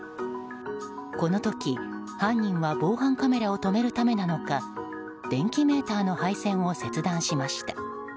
この時、犯人は防犯カメラを止めるためなのか電気メーターの配線を切断しました。